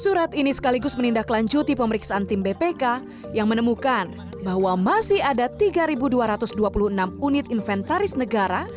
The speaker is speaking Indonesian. surat ini sekaligus menindaklanjuti pemeriksaan tim bpk yang menemukan bahwa masih ada tiga dua ratus dua puluh enam unit inventaris negara